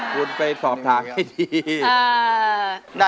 คุณไปสอบถามให้ดี